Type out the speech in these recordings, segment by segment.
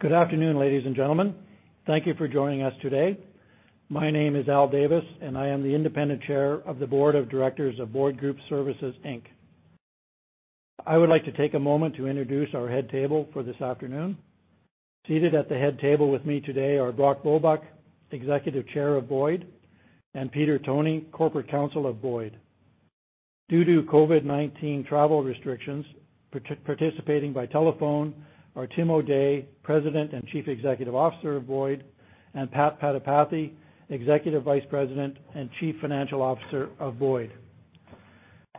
Good afternoon, ladies and gentlemen. Thank you for joining us today. My name is Al Davis, and I am the Independent Chair of the Board of Directors of Boyd Group Services Inc. I would like to take a moment to introduce our head table for this afternoon. Seated at the head table with me today are Brock Bulbuck, Executive Chair of Boyd, and Peter Toney, Corporate Counsel of Boyd. Due to COVID-19 travel restrictions, participating by telephone are Tim O'Day, President and Chief Executive Officer of Boyd, and Pat Pathipati, Executive Vice President and Chief Financial Officer of Boyd.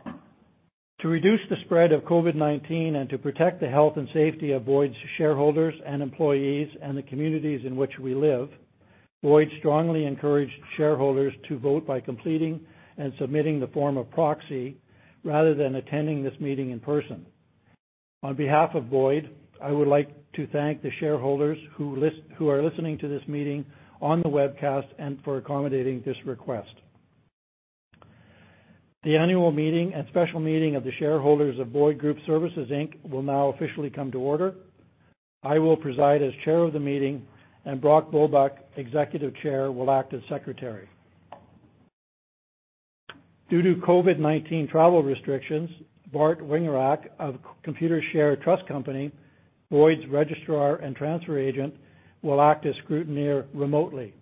To reduce the spread of COVID-19 and to protect the health and safety of Boyd's shareholders and employees and the communities in which we live, Boyd strongly encouraged shareholders to vote by completing and submitting the form of proxy rather than attending this meeting in person. On behalf of Boyd, I would like to thank the shareholders who are listening to this meeting on the webcast and for accommodating this request. The annual meeting and special meeting of the shareholders of Boyd Group Services Inc. will now officially come to order. I will preside as Chair of the meeting, and Brock Bulbuck, Executive Chair, will act as Secretary. Due to COVID-19 travel restrictions, Bart Wingorak of Computershare Trust Company, Boyd's registrar and transfer agent, will act as scrutineer remotely.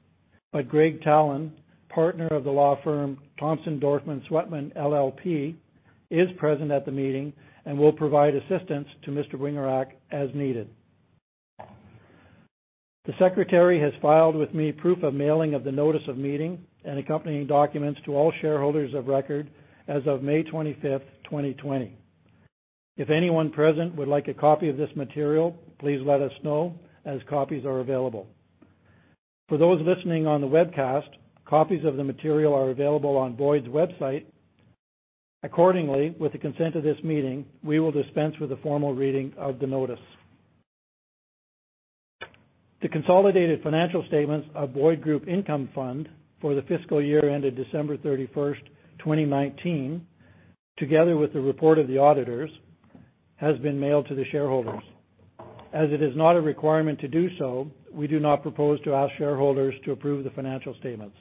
Greg Tallon, Partner of the law firm Thompson Dorfman Sweatman LLP, is present at the meeting and will provide assistance to Mr. Wingorak as needed. The Secretary has filed with me proof of mailing of the notice of meeting and accompanying documents to all shareholders of record as of May 25th, 2020. If anyone present would like a copy of this material, please let us know as copies are available. For those listening on the webcast, copies of the material are available on Boyd's website. Accordingly, with the consent of this meeting, we will dispense with the formal reading of the notice. The consolidated financial statements of Boyd Group Income Fund for the fiscal year ended December 31st, 2019, together with the report of the auditors, has been mailed to the shareholders. As it is not a requirement to do so, we do not propose to ask shareholders to approve the financial statements.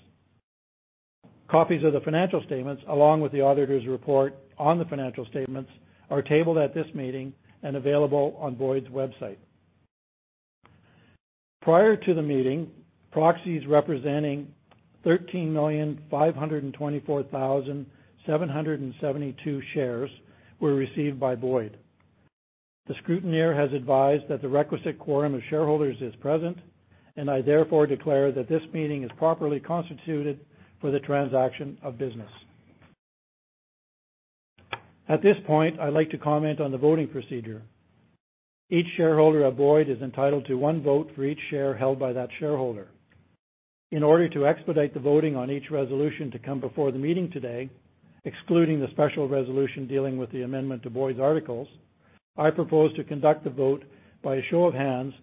Copies of the financial statements, along with the auditor's report on the financial statements, are tabled at this meeting and available on Boyd's website. Prior to the meeting, proxies representing 13,524,772 shares were received by Boyd. The scrutineer has advised that the requisite quorum of shareholders is present, and I therefore declare that this meeting is properly constituted for the transaction of business. At this point, I'd like to comment on the voting procedure. Each shareholder of Boyd is entitled to one vote for each share held by that shareholder. In order to expedite the voting on each resolution to come before the meeting today, excluding the special resolution dealing with the amendment to Boyd's articles, I propose to conduct the vote by a show of hands,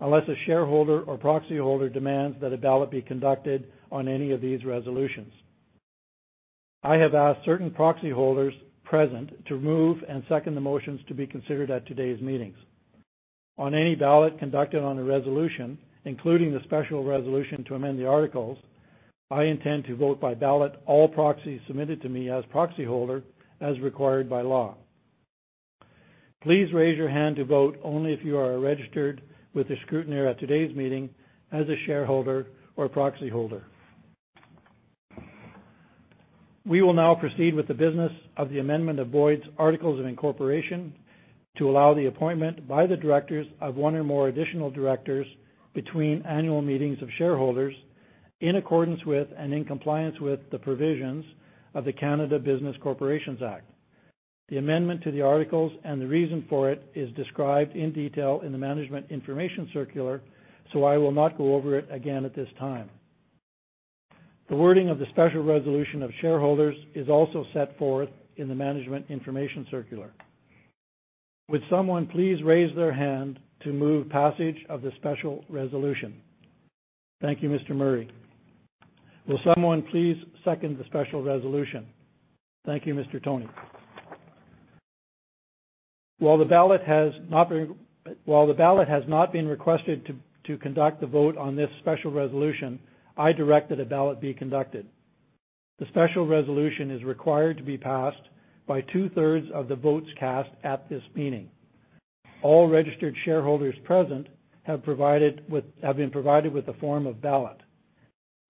unless a shareholder or proxyholder demands that a ballot be conducted on any of these resolutions. I have asked certain proxyholders present to move and second the motions to be considered at today's meetings. On any ballot conducted on a resolution, including the special resolution to amend the articles, I intend to vote by ballot all proxies submitted to me as proxyholder, as required by law. Please raise your hand to vote only if you are registered with the scrutineer at today's meeting as a shareholder or proxyholder. We will now proceed with the business of the amendment of Boyd's articles of incorporation to allow the appointment by the directors of one or more additional directors between annual meetings of shareholders, in accordance with and in compliance with the provisions of the Canada Business Corporations Act. The amendment to the articles and the reason for it is described in detail in the management information circular. I will not go over it again at this time. The wording of the special resolution of shareholders is also set forth in the management information circular. Would someone please raise their hand to move passage of the special resolution? Thank you, Mr. Murray. Will someone please second the special resolution? Thank you, Mr. Toney. While the ballot has not been requested to conduct the vote on this special resolution, I direct that a ballot be conducted. The special resolution is required to be passed by two-thirds of the votes cast at this meeting. All registered shareholders present have been provided with a form of ballot.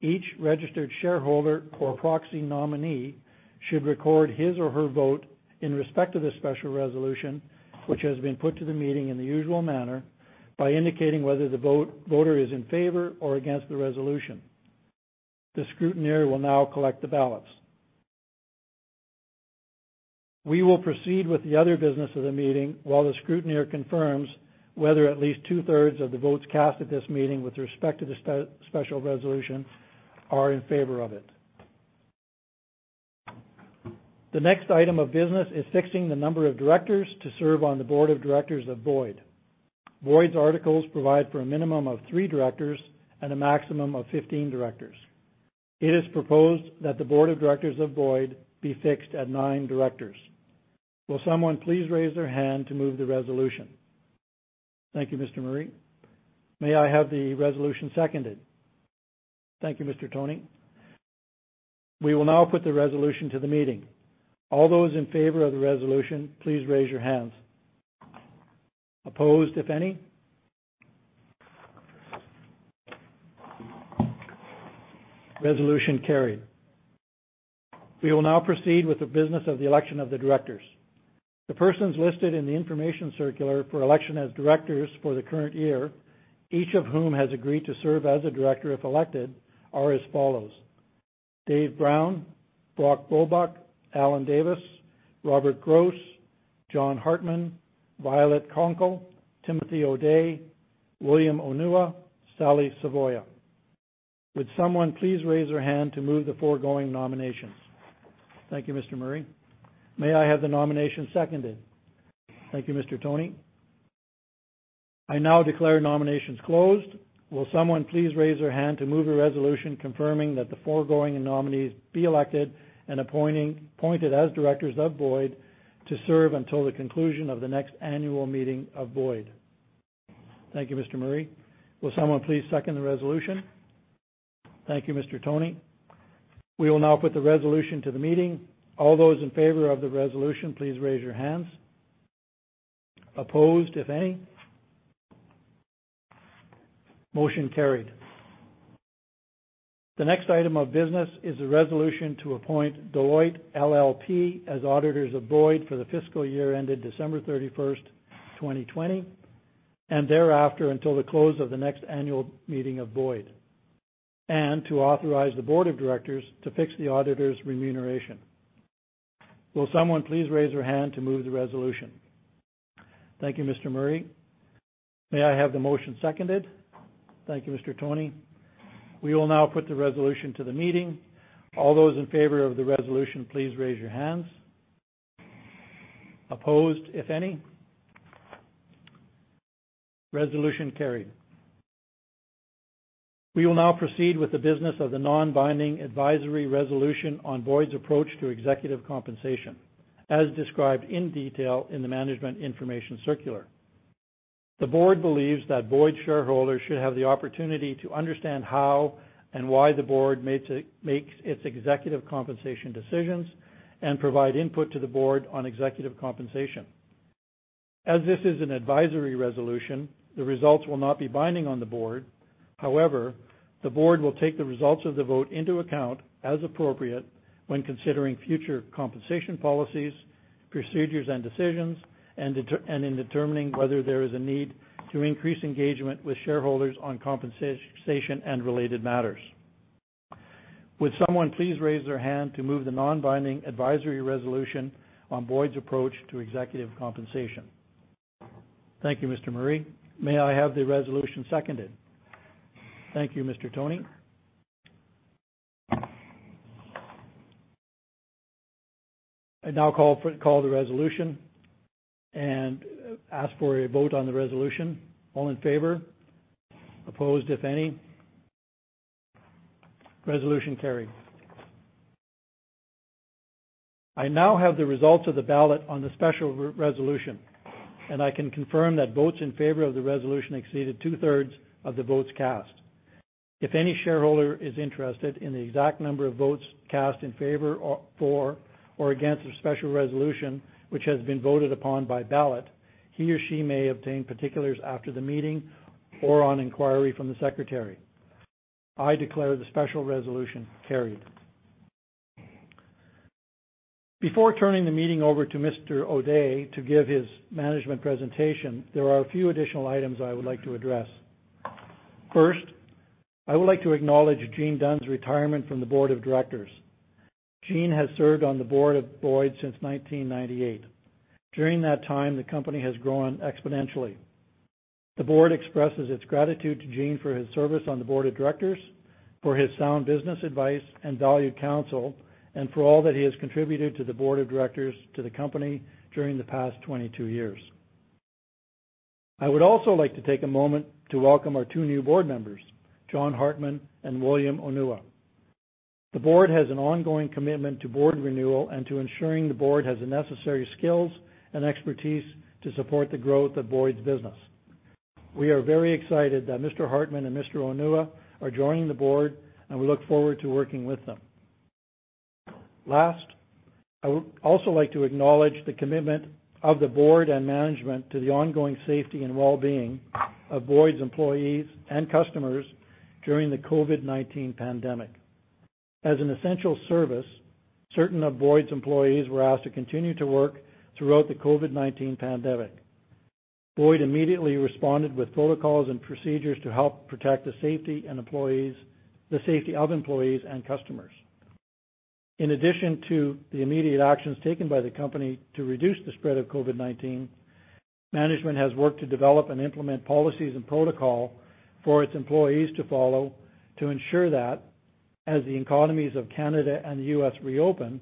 Each registered shareholder or proxy nominee should record his or her vote in respect to the special resolution, which has been put to the meeting in the usual manner, by indicating whether the voter is in favor or against the resolution. The scrutineer will now collect the ballots. We will proceed with the other business of the meeting while the scrutineer confirms whether at least two-thirds of the votes cast at this meeting with respect to the special resolution are in favor of it. The next item of business is fixing the number of directors to serve on the board of directors of Boyd. Boyd's articles provide for a minimum of three directors and a maximum of 15 directors. It is proposed that the board of directors of Boyd be fixed at nine directors. Will someone please raise their hand to move the resolution? Thank you, Mr. Murray. May I have the resolution seconded? Thank you, Mr. Toney. We will now put the resolution to the meeting. All those in favor of the resolution, please raise your hands. Opposed, if any? Resolution carried. We will now proceed with the business of the election of the directors. The persons listed in the information circular for election as directors for the current year, each of whom has agreed to serve as a director if elected, are as follows: Dave Brown, Brock Bulbuck, Allan Davis, Robert Gross, John Hartmann, Violet Konkle, Timothy O'Day, William Onuwa, Sally Savoia. Would someone please raise their hand to move the foregoing nominations? Thank you, Mr. Murray. May I have the nomination seconded? Thank you, Mr. Toney. I now declare nominations closed. Will someone please raise their hand to move a resolution confirming that the foregoing nominees be elected and appointed as directors of Boyd to serve until the conclusion of the next annual meeting of Boyd? Thank you, Mr. Murray. Will someone please second the resolution? Thank you, Mr. Toney. We will now put the resolution to the meeting. All those in favor of the resolution, please raise your hands. Opposed, if any? Motion carried. The next item of business is a resolution to appoint Deloitte LLP as auditors of Boyd for the fiscal year ended December 31st, 2020, and thereafter until the close of the next annual meeting of Boyd, and to authorize the board of directors to fix the auditors' remuneration. Will someone please raise their hand to move the resolution? Thank you, Mr. Murray. May I have the motion seconded? Thank you, Mr. Toney. We will now put the resolution to the meeting. All those in favor of the resolution, please raise your hands. Opposed, if any? Resolution carried. We will now proceed with the business of the non-binding advisory resolution on Boyd's approach to executive compensation, as described in detail in the management information circular. The board believes that Boyd shareholders should have the opportunity to understand how and why the board makes its executive compensation decisions and provide input to the board on executive compensation. As this is an advisory resolution, the results will not be binding on the board. The board will take the results of the vote into account as appropriate when considering future compensation policies, procedures, and decisions, and in determining whether there is a need to increase engagement with shareholders on compensation and related matters. Would someone please raise their hand to move the non-binding advisory resolution on Boyd's approach to executive compensation? Thank you, Mr. Murray. May I have the resolution seconded? Thank you, Mr. Toney. I now call the resolution and ask for a vote on the resolution. All in favor? Opposed, if any? Resolution carried. I now have the results of the ballot on the special resolution, and I can confirm that votes in favor of the resolution exceeded two-thirds of the votes cast. If any shareholder is interested in the exact number of votes cast in favor for or against the special resolution which has been voted upon by ballot, he or she may obtain particulars after the meeting or on inquiry from the secretary. I declare the special resolution carried. Before turning the meeting over to Mr. O'Day to give his management presentation, there are a few additional items I would like to address. First, I would like to acknowledge Gene Dunn's retirement from the board of directors. Gene has served on the board of Boyd since 1998. During that time, the company has grown exponentially. The board expresses its gratitude to Gene for his service on the board of directors, for his sound business advice and valued counsel, and for all that he has contributed to the board of directors, to the company during the past 22 years. I would also like to take a moment to welcome our two new board members, John Hartmann and William Onuwa. The board has an ongoing commitment to board renewal and to ensuring the board has the necessary skills and expertise to support the growth of Boyd's business. We are very excited that Mr. Hartmann and Mr. Onuwa are joining the board, and we look forward to working with them. Last, I would also like to acknowledge the commitment of the board and management to the ongoing safety and wellbeing of Boyd's employees and customers during the COVID-19 pandemic. As an essential service, certain of Boyd's employees were asked to continue to work throughout the COVID-19 pandemic. Boyd immediately responded with protocols and procedures to help protect the safety of employees and customers. In addition to the immediate actions taken by the company to reduce the spread of COVID-19, management has worked to develop and implement policies and protocol for its employees to follow to ensure that as the economies of Canada and the U.S. reopen,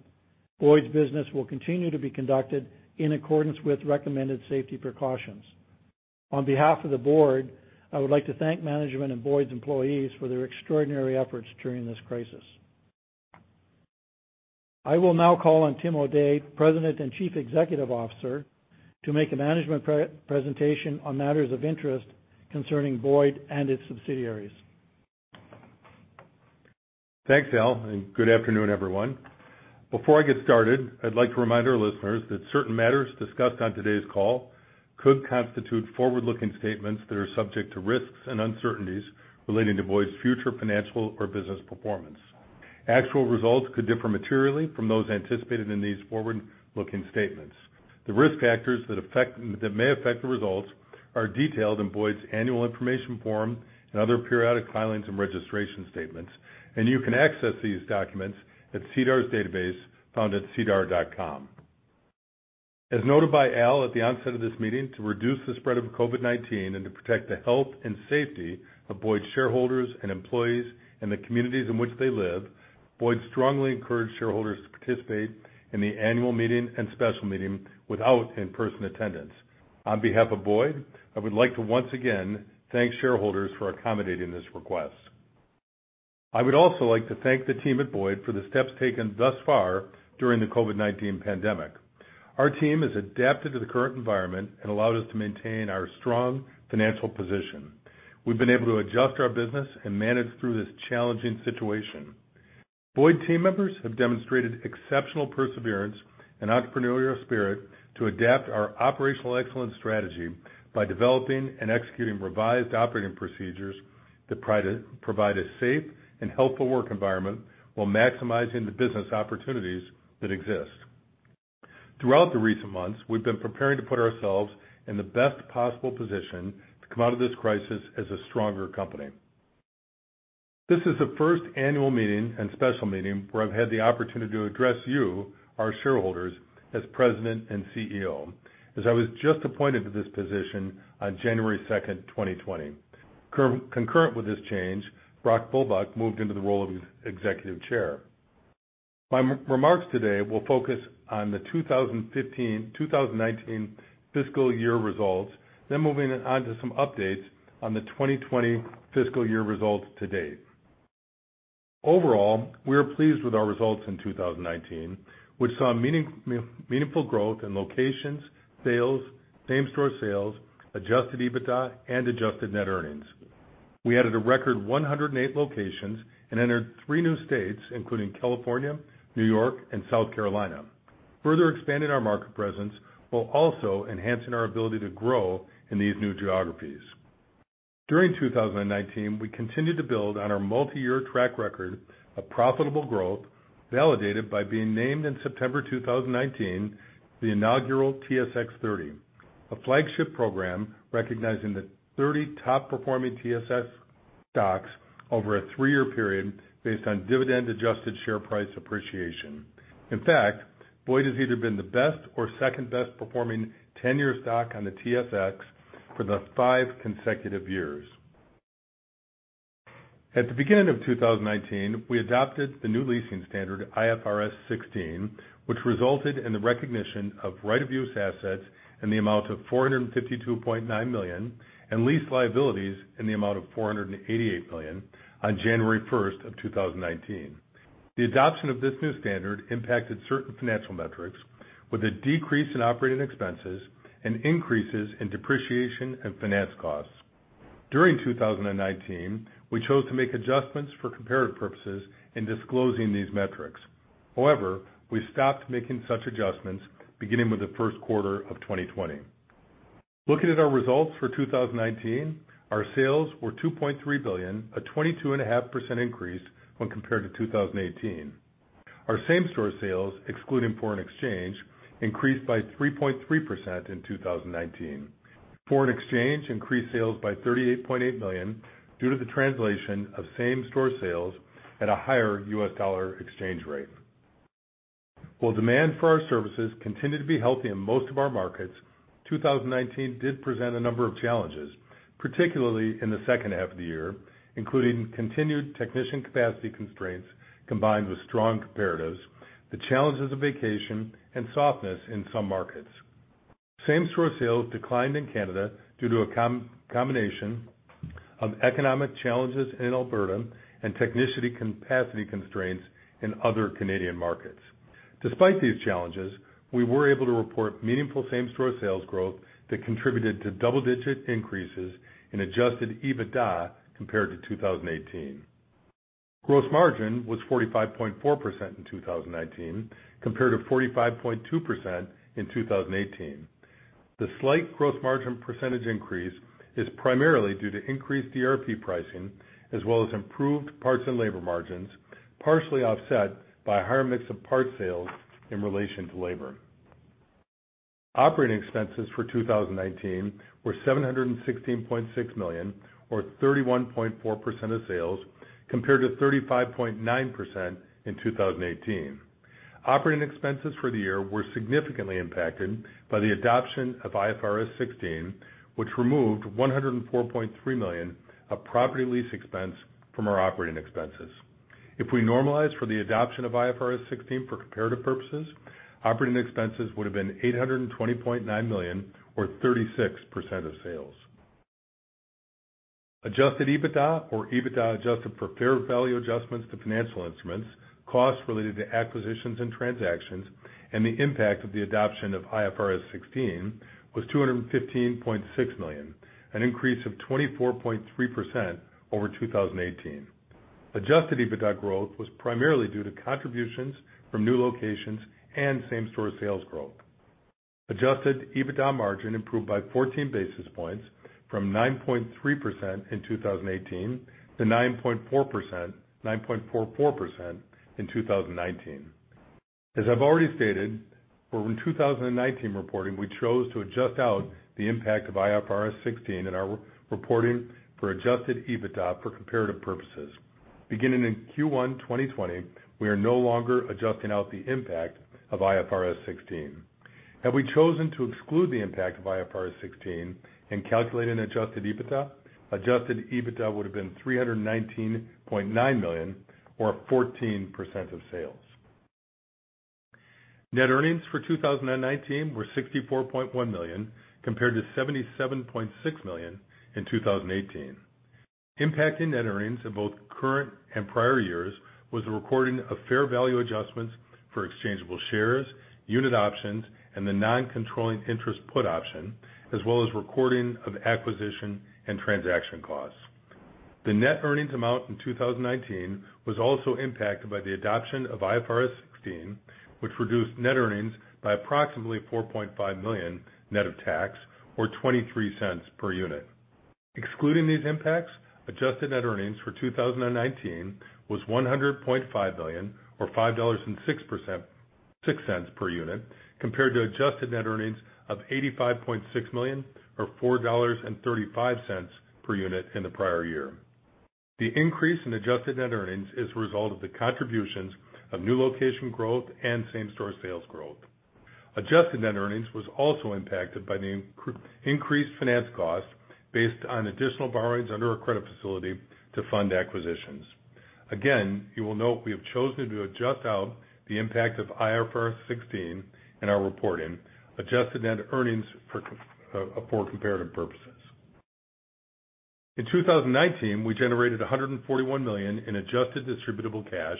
Boyd's business will continue to be conducted in accordance with recommended safety precautions. On behalf of the board, I would like to thank management and Boyd's employees for their extraordinary efforts during this crisis. I will now call on Tim O'Day, President and Chief Executive Officer, to make a management presentation on matters of interest concerning Boyd and its subsidiaries. Thanks, Al, good afternoon, everyone. Before I get started, I'd like to remind our listeners that certain matters discussed on today's call could constitute forward-looking statements that are subject to risks and uncertainties relating to Boyd's future financial or business performance. Actual results could differ materially from those anticipated in these forward-looking statements. The risk factors that may affect the results are detailed in Boyd's annual information form and other periodic filings and registration statements. You can access these documents at SEDAR's database found at sedar.com. As noted by Al at the onset of this meeting, to reduce the spread of COVID-19 and to protect the health and safety of Boyd's shareholders and employees and the communities in which they live, Boyd strongly encouraged shareholders to participate in the annual meeting and special meeting without in-person attendance. On behalf of Boyd, I would like to once again thank shareholders for accommodating this request. I would also like to thank the team at Boyd for the steps taken thus far during the COVID-19 pandemic. Our team has adapted to the current environment and allowed us to maintain our strong financial position. We've been able to adjust our business and manage through this challenging situation. Boyd team members have demonstrated exceptional perseverance and entrepreneurial spirit to adapt our operational excellence strategy by developing and executing revised operating procedures that provide a safe and healthful work environment while maximizing the business opportunities that exist. Throughout the recent months, we've been preparing to put ourselves in the best possible position to come out of this crisis as a stronger company. This is the first annual meeting and special meeting where I've had the opportunity to address you, our shareholders, as President and CEO, as I was just appointed to this position on January 2nd, 2020. Concurrent with this change, Brock Bulbuck moved into the role of Executive Chair. My remarks today will focus on the 2019 fiscal year results, moving on to some updates on the 2020 fiscal year results to date. Overall, we are pleased with our results in 2019, which saw meaningful growth in locations, sales, same-store sales, adjusted EBITDA, and adjusted net earnings. We added a record 108 locations and entered three new states, including California, New York, and South Carolina, further expanding our market presence while also enhancing our ability to grow in these new geographies. During 2019, we continued to build on our multi-year track record of profitable growth, validated by being named in September 2019 the inaugural TSX 30, a flagship program recognizing the 30 top-performing TSX stocks over a three-year period based on dividend-adjusted share price appreciation. In fact, Boyd has either been the best or second best performing 10-year stock on the TSX for the five consecutive years. At the beginning of 2019, we adopted the new leasing standard, IFRS 16, which resulted in the recognition of right of use assets in the amount of 452.9 million and lease liabilities in the amount of 488 million on January 1st of 2019. The adoption of this new standard impacted certain financial metrics with a decrease in operating expenses and increases in depreciation and finance costs. During 2019, we chose to make adjustments for comparative purposes in disclosing these metrics. We stopped making such adjustments beginning with the first quarter of 2020. Looking at our results for 2019, our sales were 2.3 billion, a 22.5% increase when compared to 2018. Our same-store sales, excluding foreign exchange, increased by 3.3% in 2019. Foreign exchange increased sales by 38.8 million due to the translation of same-store sales at a higher U.S. dollar exchange rate. While demand for our services continued to be healthy in most of our markets, 2019 did present a number of challenges, particularly in the second half of the year, including continued technician capacity constraints combined with strong comparatives, the challenges of vacation, and softness in some markets. Same-store sales declined in Canada due to a combination of economic challenges in Alberta and technician capacity constraints in other Canadian markets. Despite these challenges, we were able to report meaningful same-store sales growth that contributed to double-digit increases in adjusted EBITDA compared to 2018. Gross margin was 45.4% in 2019 compared to 45.2% in 2018. The slight gross margin percentage increase is primarily due to increased DRP pricing as well as improved parts and labor margins, partially offset by a higher mix of parts sales in relation to labor. Operating expenses for 2019 were 716.6 million or 31.4% of sales, compared to 35.9% in 2018. Operating expenses for the year were significantly impacted by the adoption of IFRS 16, which removed 104.3 million of property lease expense from our operating expenses. If we normalize for the adoption of IFRS 16 for comparative purposes, operating expenses would have been 820.9 million or 36% of sales. Adjusted EBITDA or EBITDA adjusted for fair value adjustments to financial instruments, costs related to acquisitions and transactions, and the impact of the adoption of IFRS 16 was 215.6 million, an increase of 24.3% over 2018. Adjusted EBITDA growth was primarily due to contributions from new locations and same-store sales growth. Adjusted EBITDA margin improved by 14 basis points from 9.3% in 2018 to 9.44% in 2019. As I've already stated, for 2019 reporting, we chose to adjust out the impact of IFRS 16 in our reporting for adjusted EBITDA for comparative purposes. Beginning in Q1 2020, we are no longer adjusting out the impact of IFRS 16. Had we chosen to exclude the impact of IFRS 16 and calculate an adjusted EBITDA, adjusted EBITDA would have been 319.9 million or 14% of sales. Net earnings for 2019 were 64.1 million compared to 77.6 million in 2018. Impacting net earnings in both current and prior years was the recording of fair value adjustments for exchangeable shares, unit options, and the non-controlling interest put option, as well as recording of acquisition and transaction costs. The net earnings amount in 2019 was also impacted by the adoption of IFRS 16, which reduced net earnings by approximately 4.5 million net of tax, or 0.23 per unit. Excluding these impacts, adjusted net earnings for 2019 was 100.5 million, or 5.06 dollars per unit, compared to adjusted net earnings of 85.6 million or 4.35 dollars per unit in the prior year. The increase in adjusted net earnings is a result of the contributions of new location growth and same-store sales growth. Adjusted net earnings was also impacted by the increased finance costs based on additional borrowings under our credit facility to fund acquisitions. You will note we have chosen to adjust out the impact of IFRS 16 in our reporting adjusted net earnings for comparative purposes. In 2019, we generated 141 million in adjusted distributable cash,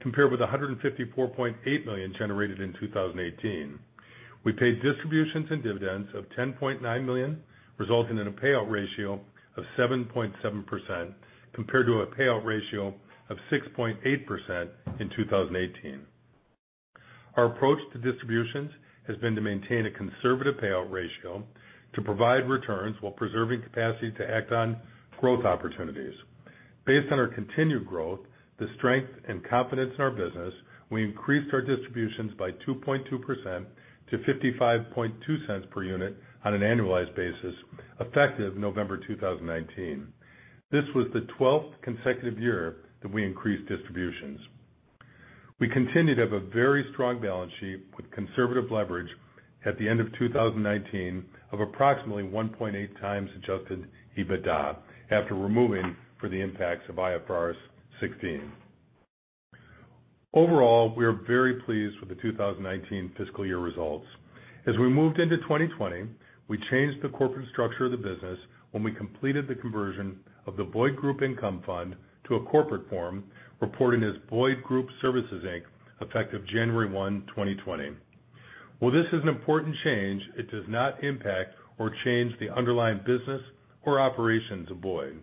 compared with 154.8 million generated in 2018. We paid distributions and dividends of 10.9 million, resulting in a payout ratio of 7.7%, compared to a payout ratio of 6.8% in 2018. Our approach to distributions has been to maintain a conservative payout ratio to provide returns while preserving capacity to act on growth opportunities. Based on our continued growth, the strength and confidence in our business, we increased our distributions by 2.2% to 0.552 per unit on an annualized basis effective November 2019. This was the 12th consecutive year that we increased distributions. We continue to have a very strong balance sheet with conservative leverage at the end of 2019 of approximately 1.8 times adjusted EBITDA after removing for the impacts of IFRS 16. Overall, we are very pleased with the 2019 fiscal year results. As we moved into 2020, we changed the corporate structure of the business when we completed the conversion of the Boyd Group Income Fund to a corporate form, reporting as Boyd Group Services Inc., effective January 1, 2020. While this is an important change, it does not impact or change the underlying business or operations of Boyd.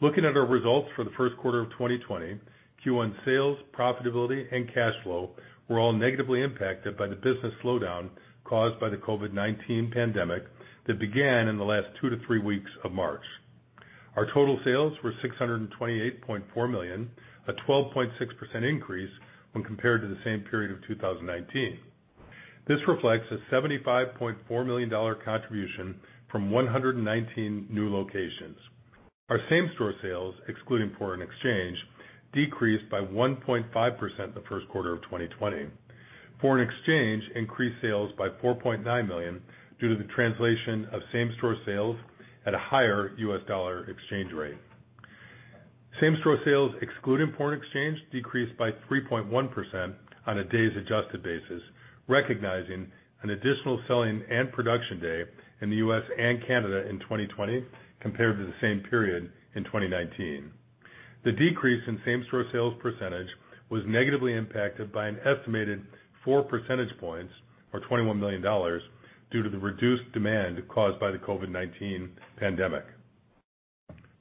Looking at our results for the first quarter of 2020, Q1 sales, profitability, and cash flow were all negatively impacted by the business slowdown caused by the COVID-19 pandemic that began in the last two to three weeks of March. Our total sales were 628.4 million, a 12.6% increase when compared to the same period of 2019. This reflects a 75.4 million dollar contribution from 119 new locations. Our same-store sales, excluding foreign exchange, decreased by 1.5% in the first quarter of 2020. Foreign exchange increased sales by 4.9 million due to the translation of same-store sales at a higher U.S. dollar exchange rate. Same-store sales, excluding foreign exchange, decreased by 3.1% on a days adjusted basis, recognizing an additional selling and production day in the U.S. and Canada in 2020 compared to the same period in 2019. The decrease in same-store sales percentage was negatively impacted by an estimated four percentage points, or 21 million dollars, due to the reduced demand caused by the COVID-19 pandemic.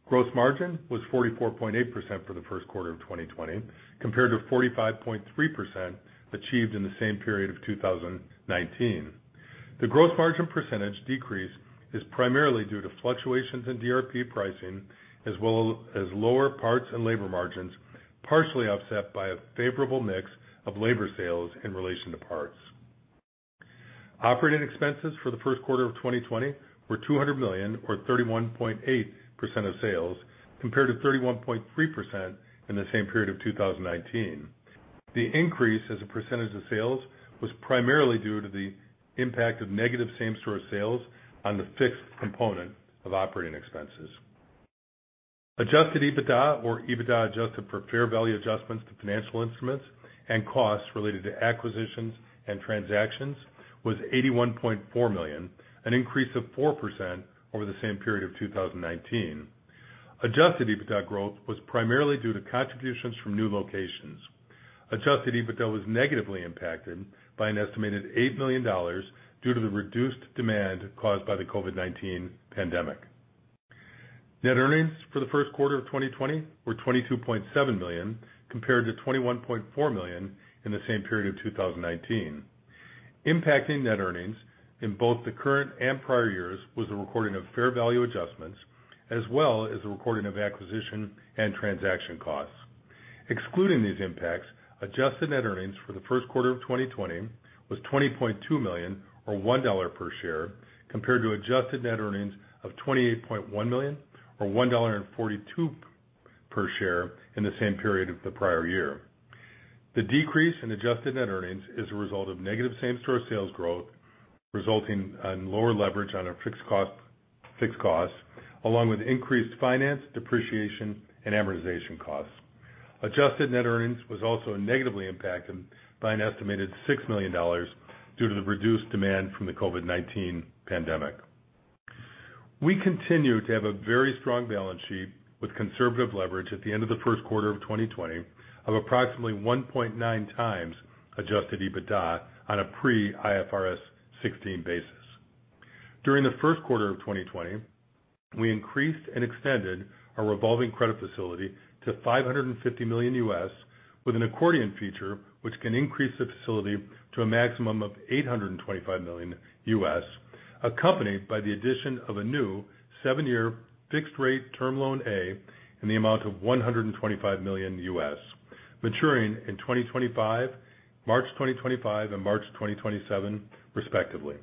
Gross margin was 44.8% for the first quarter of 2020, compared to 45.3% achieved in the same period of 2019. The gross margin percentage decrease is primarily due to fluctuations in DRP pricing, as well as lower parts and labor margins, partially offset by a favorable mix of labor sales in relation to parts. Operating expenses for the first quarter of 2020 were 200 million or 31.8% of sales, compared to 31.3% in the same period of 2019. The increase as a percentage of sales was primarily due to the impact of negative same-store sales on the fixed component of operating expenses. Adjusted EBITDA, or EBITDA adjusted for fair value adjustments to financial instruments and costs related to acquisitions and transactions, was 81.4 million, an increase of 4% over the same period of 2019. Adjusted EBITDA growth was primarily due to contributions from new locations. Adjusted EBITDA was negatively impacted by an estimated 8 million dollars due to the reduced demand caused by the COVID-19 pandemic. Net earnings for the first quarter of 2020 were 22.7 million, compared to 21.4 million in the same period of 2019. Impacting net earnings in both the current and prior years was the recording of fair value adjustments, as well as the recording of acquisition and transaction costs. Excluding these impacts, adjusted net earnings for the first quarter of 2020 was 20.2 million, or 1 dollar per share, compared to adjusted net earnings of 28.1 million, or 1.42 dollar per share in the same period of the prior year. The decrease in adjusted net earnings is a result of negative same-store sales growth, resulting in lower leverage on our fixed costs, along with increased finance, depreciation, and amortization costs. Adjusted net earnings was also negatively impacted by an estimated 6 million dollars due to the reduced demand from the COVID-19 pandemic. We continue to have a very strong balance sheet with conservative leverage at the end of the first quarter of 2020 of approximately 1.9 times adjusted EBITDA on a pre-IFRS 16 basis. During the first quarter of 2020, we increased and extended our revolving credit facility to $550 million US with an accordion feature which can increase the facility to a maximum of $825 million US, accompanied by the addition of a new seven-year fixed rate Term Loan A in the amount of $125 million US, maturing in 2025, March 2025, and March 2027, respectively.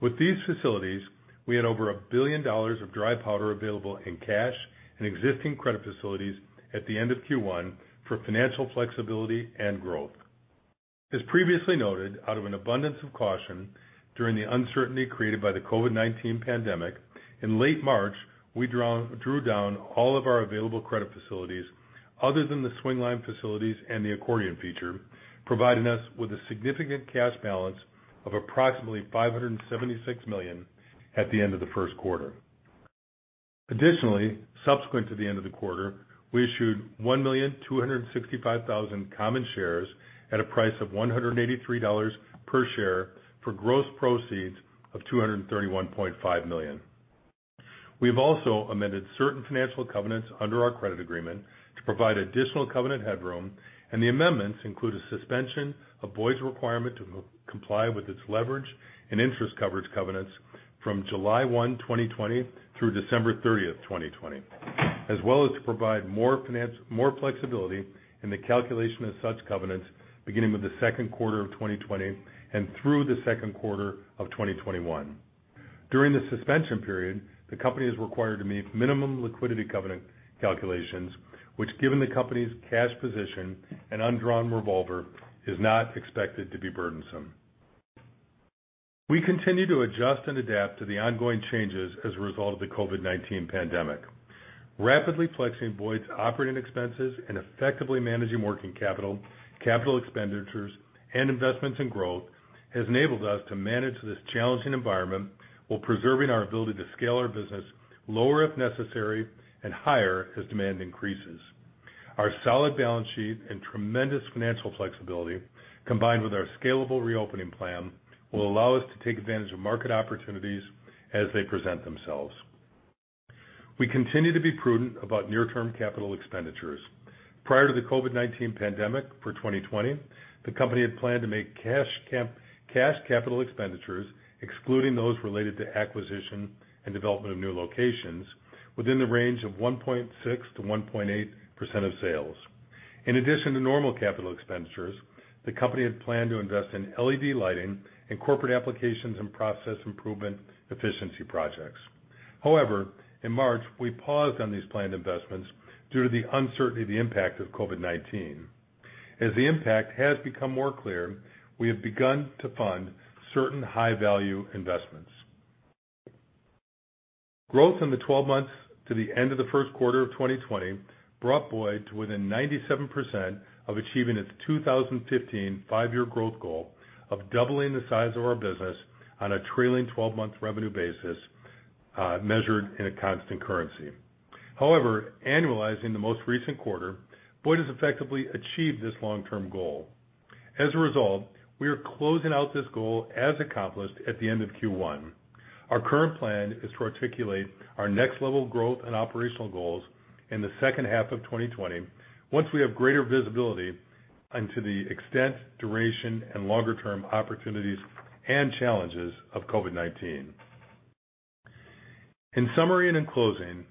With these facilities, we had over 1 billion dollars of dry powder available in cash and existing credit facilities at the end of Q1 for financial flexibility and growth. As previously noted, out of an abundance of caution during the uncertainty created by the COVID-19 pandemic, in late March, we drew down all of our available credit facilities other than the swingline facilities and the accordion feature, providing us with a significant cash balance of approximately 576 million at the end of the first quarter. Additionally, subsequent to the end of the quarter, we issued 1,265,000 common shares at a price of 183 dollars per share for gross proceeds of 231.5 million. We have also amended certain financial covenants under our credit agreement to provide additional covenant headroom. The amendments include a suspension of Boyd's requirement to comply with its leverage and interest coverage covenants from July 1, 2020, through December 30, 2020, as well as to provide more flexibility in the calculation of such covenants beginning with the second quarter of 2020 and through the second quarter of 2021. During the suspension period, the company is required to meet minimum liquidity covenant calculations, which, given the company's cash position and undrawn revolver, is not expected to be burdensome. We continue to adjust and adapt to the ongoing changes as a result of the COVID-19 pandemic. Rapidly flexing Boyd's operating expenses and effectively managing working capital expenditures, and investments in growth has enabled us to manage this challenging environment while preserving our ability to scale our business lower if necessary and higher as demand increases. Our solid balance sheet and tremendous financial flexibility, combined with our scalable reopening plan, will allow us to take advantage of market opportunities as they present themselves. We continue to be prudent about near-term capital expenditures. Prior to the COVID-19 pandemic, for 2020, the company had planned to make cash capital expenditures, excluding those related to acquisition and development of new locations, within the range of 1.6%-1.8% of sales. In addition to normal capital expenditures, the company had planned to invest in LED lighting and corporate applications and process improvement efficiency projects. In March, we paused on these planned investments due to the uncertainty of the impact of COVID-19. As the impact has become more clear, we have begun to fund certain high-value investments. Growth in the 12 months to the end of the first quarter of 2020 brought Boyd to within 97% of achieving its 2015 five-year growth goal of doubling the size of our business on a trailing 12-month revenue basis, measured in a constant currency. Annualizing the most recent quarter, Boyd has effectively achieved this long-term goal. As a result, we are closing out this goal as accomplished at the end of Q1. Our current plan is to articulate our next level of growth and operational goals in the second half of 2020 once we have greater visibility into the extent, duration, and longer-term opportunities and challenges of COVID-19. In summary and in closing,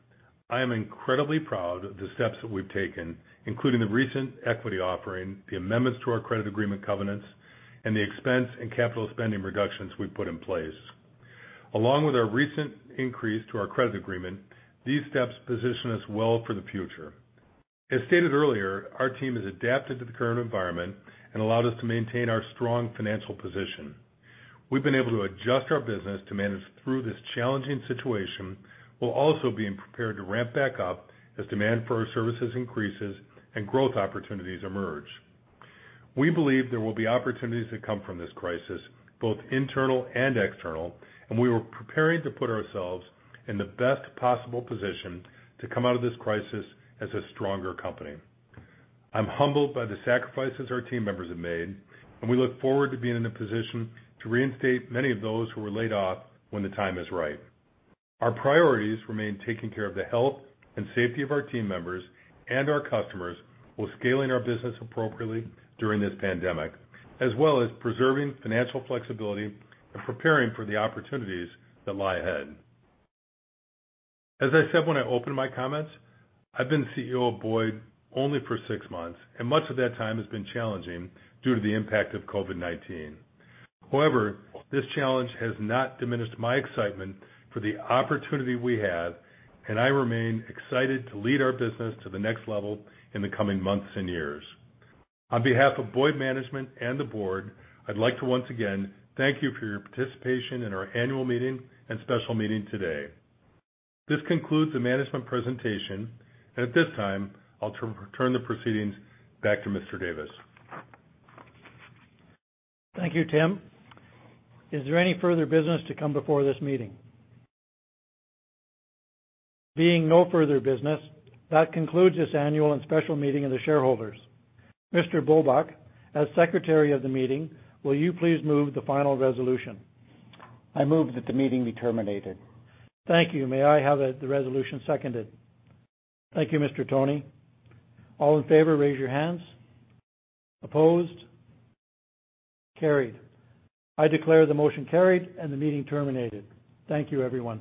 I am incredibly proud of the steps that we've taken, including the recent equity offering, the amendments to our credit agreement covenants, and the expense in capital spending reductions we've put in place. Along with our recent increase to our credit agreement, these steps position us well for the future. As stated earlier, our team has adapted to the current environment and allowed us to maintain our strong financial position. We've been able to adjust our business to manage through this challenging situation, while also being prepared to ramp back up as demand for our services increases and growth opportunities emerge. We believe there will be opportunities that come from this crisis, both internal and external, and we are preparing to put ourselves in the best possible position to come out of this crisis as a stronger company. I'm humbled by the sacrifices our team members have made, and we look forward to being in the position to reinstate many of those who were laid off when the time is right. Our priorities remain taking care of the health and safety of our team members and our customers, while scaling our business appropriately during this pandemic, as well as preserving financial flexibility and preparing for the opportunities that lie ahead. As I said when I opened my comments, I've been CEO of Boyd only for six months, and much of that time has been challenging due to the impact of COVID-19. However, this challenge has not diminished my excitement for the opportunity we have, and I remain excited to lead our business to the next level in the coming months and years. On behalf of Boyd management and the board, I'd like to once again thank you for your participation in our annual meeting and special meeting today. This concludes the management presentation. At this time, I'll turn the proceedings back to Allan Davis. Thank you, Tim. Is there any further business to come before this meeting? Being no further business, that concludes this annual and special meeting of the shareholders. Mr. Bulbuck, as secretary of the meeting, will you please move the final resolution? I move that the meeting be terminated. Thank you. May I have the resolution seconded? Thank you, Mr. Toney. All in favor, raise your hands. Opposed. Carried. I declare the motion carried and the meeting terminated. Thank you, everyone.